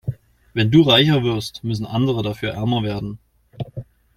Wenn du reicher wirst, müssen andere dafür ärmer werden.